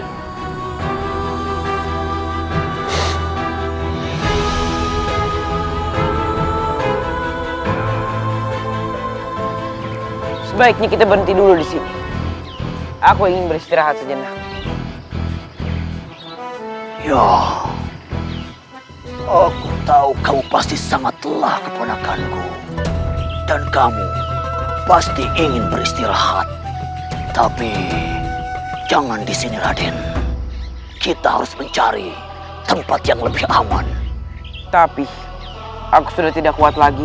hai sebaiknya kita berhenti dulu di sini aku ingin beristirahat sejenak ya aku tahu kau pasti sangatlah keponakan dan kamu pasti ingin beristirahat tapi jangan disini raden kita harus mencari tempat yang lebih aman tapi aku sudah tidak kuat lagi